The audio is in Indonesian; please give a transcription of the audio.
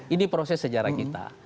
ini proses sejarah kita